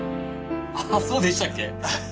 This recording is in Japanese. あそうでしたっけ？